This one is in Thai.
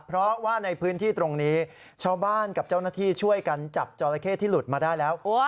เพราะว่าในพื้นที่ตรงนี้ชาวบ้านกับเจ้าหน้าที่ช่วยกันจับจอราเข้ที่หลุดมาได้แล้ว